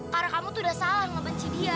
karena kamu tuh udah salah ngebenci dia